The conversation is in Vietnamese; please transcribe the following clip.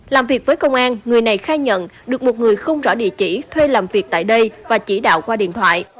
làm việc với công an người này khai nhận được một người không rõ địa chỉ thuê làm việc tại đây và chỉ đạo qua điện thoại